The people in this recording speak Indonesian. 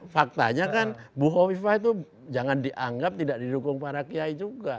faktanya kan bu hovifah itu jangan dianggap tidak didukung para kiai juga